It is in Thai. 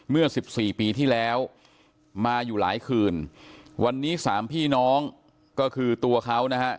เมื่อสิบสี่ปีที่แล้วมาอยู่หลายคืนวันนี้สามพี่น้องก็คือตัวเขานะฮะ